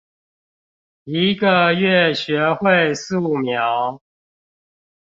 一個月學會素描